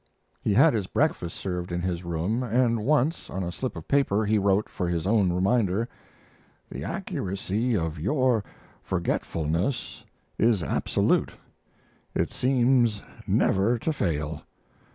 He had his breakfast served in his room, and once, on a slip of paper, he wrote, for his own reminder: The accuracy of your forgetfulness is absolute it seems never to fail.